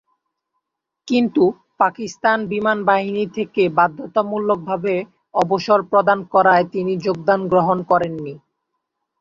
কিন্তু, পাকিস্তান বিমানবাহিনী থেকে বাধ্যতামূলকভাবে অবসর প্রদান করায় তিনি যোগদান গ্রহণ করেননি।